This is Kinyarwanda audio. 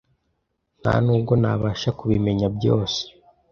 Ntanubwo nabasha kubimenya byose